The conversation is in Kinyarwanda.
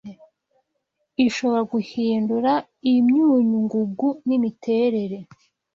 ishobora guhindura imyunyu ngugu n'imiterere